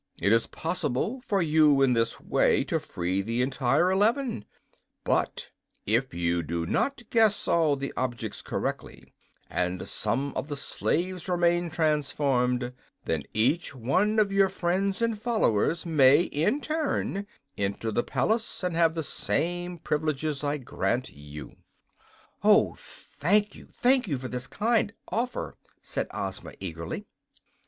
It is possible for you, in this way, to free the entire eleven; but if you do not guess all the objects correctly, and some of the slaves remain transformed, then each one of your friends and followers may, in turn, enter the palace and have the same privileges I grant you." "Oh, thank you! thank you for this kind offer!" said Ozma, eagerly.